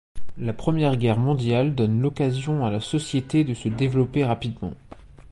La Première Guerre mondiale donne l'occasion à la société de se développer rapidement.